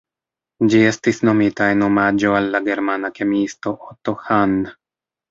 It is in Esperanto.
Ĝi estis nomita en omaĝo al la germana kemiisto Otto Hahn.